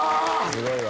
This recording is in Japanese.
すごいわ。